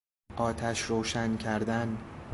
آتش روشن کردن